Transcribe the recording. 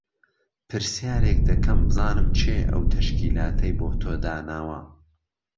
پرسیارێک دهکهم بزانم کێ ئەو تهشکیلاتەی بۆ تۆ داناوه